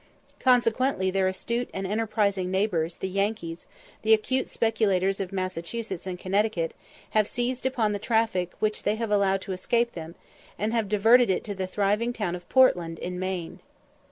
Consequently their astute and enterprising neighbours the Yankees, the acute speculators of Massachusetts and Connecticut, have seized upon the traffic which they have allowed to escape them, and have diverted it to the thriving town of Portland in Maine.